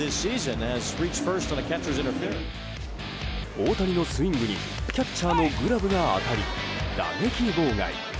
大谷のスイングにキャッチャーのグラブが当たり打撃妨害。